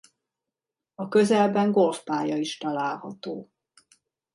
A közelben golfpálya is található.